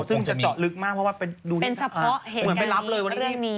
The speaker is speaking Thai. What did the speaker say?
ซึ่งจะเจาะลึกมากเพราะว่าเป็นเป็นเฉพาะเหตุการณ์นี้